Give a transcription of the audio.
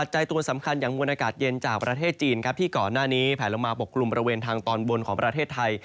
ใจตัวสำคัญอย่างมวลอากาศเย็นจากประเทศจีนครับที่ก่อนหน้านี้แผลลงมาปกกลุ่มบริเวณทางตอนบนของประเทศไทย